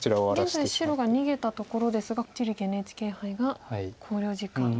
現在白が逃げたところですが一力ＮＨＫ杯が考慮時間です。